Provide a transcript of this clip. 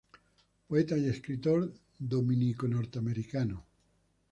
Poeta y escritor dominico-norteamericano.